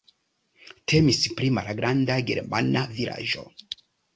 Temis pri malgranda germana vilaĝo.